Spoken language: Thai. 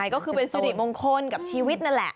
ก็คือเป็นสิริมงคลกับชีวิตนั่นแหละ